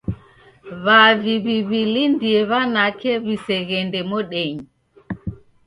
W'avi w'iw'ilindie w'anake w'iseghende modenyi